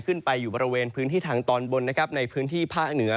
ขึ้นไปอยู่บริเวณพื้นที่ทางตอนบนนะครับในพื้นที่ภาคเหนือ